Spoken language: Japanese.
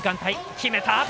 決めた！